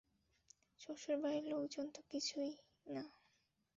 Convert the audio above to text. শ্বশুর বাড়ির লোকজন তো কিছুই না।